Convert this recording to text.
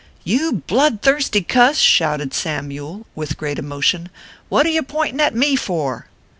" You blood thirsty cuss !" shouted Samyule, with great emotion, " what are you pointing at me for